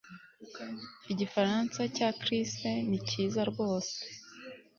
Igifaransa cya Chris ni cyiza rwose